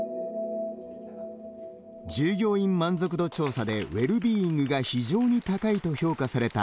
従業員満足度調査でウェルビーイングが非常に高いと評価された